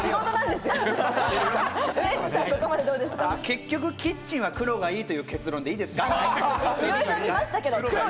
結局キッチンは黒がいいという結論でいいですか？